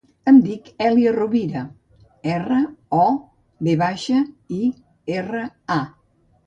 Em dic Èlia Rovira: erra, o, ve baixa, i, erra, a.